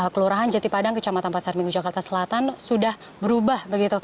kelurahan jati padang kecamatan pasar minggu jakarta selatan sudah berubah